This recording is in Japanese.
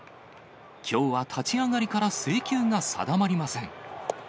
きょうは立ち上がりから制球が定まりません。